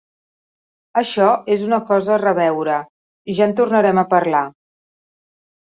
Això és una cosa a reveure: ja en tornarem a parlar.